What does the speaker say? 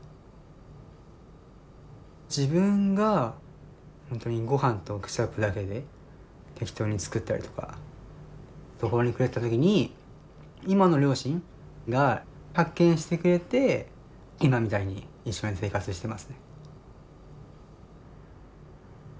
自分がほんとにごはんとケチャップだけで適当に作ったりとか途方に暮れてた時に今の両親が発見してくれて今みたいに一緒に生活してますね。